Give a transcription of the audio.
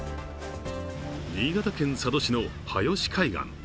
新潟県佐渡市の羽吉海岸。